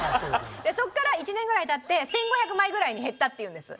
そこから１年ぐらい経って「１５００枚ぐらいに減った」って言うんです。